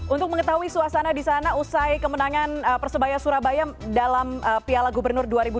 untuk mengetahui suasana di sana usai kemenangan persebaya surabaya dalam piala gubernur dua ribu dua puluh